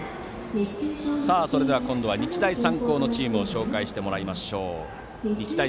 今度は日大三高のチームを紹介してもらいましょう。